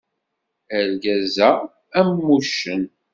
Argaz-a am wuccen.